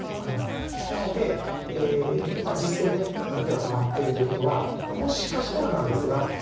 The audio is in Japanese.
なので実戦手が止まってるということはもしかしたらなんですが。